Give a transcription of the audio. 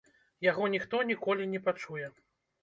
Яго ніхто ніколі не пачуе.